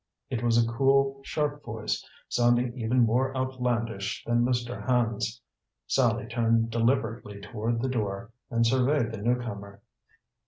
It was a cool, sharp voice, sounding even more outlandish than Mr. Hand's. Sallie turned deliberately toward the door and surveyed the new comer.